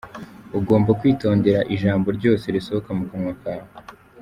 Ugomba kwitondera ijambo rwose risohoka mu kanwa kawe.